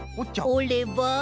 おれば？